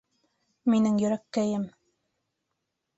- Минең йөрәккәйем...